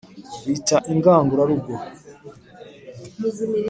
Bita Ingangurarugo